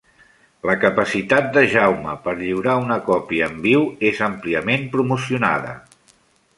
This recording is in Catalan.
La capacitat de Jaume per lliurar una còpia en viu és àmpliament promocionada.